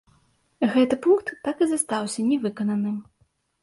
Гэты пункт так і застаўся не выкананым.